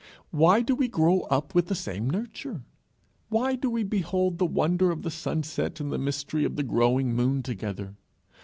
Why do we grow up with the same nurture? Why do we behold the wonder of the sunset and the mystery of the growing moon together?